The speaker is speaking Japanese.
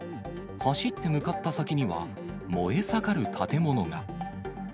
走って向かった先には、燃え盛る建物が。